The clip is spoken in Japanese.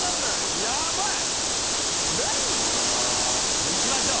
もういきましょう。